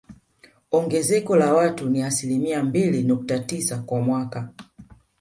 Ongezeko la watu ni asilimia mbili nukta tisa kwa mwaka